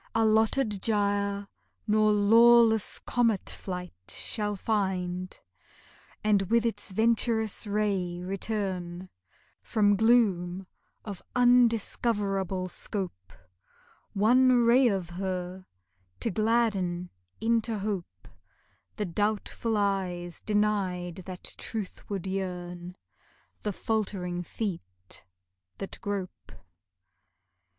Allotted gyre nor lawless comet flight Shall find, and with its venturous ray return From gloom of undiscoverable scope, One ray of her to gladden into hope The doubtful eyes denied that truthward yearn, The faltering feet that grope.